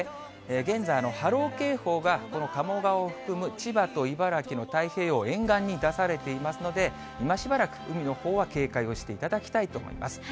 現在、波浪警報がこの鴨川を含む千葉と茨城の太平洋沿岸に出されていますので、今しばらく海のほうは警戒をしていただきたいと思います。